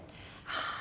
ああ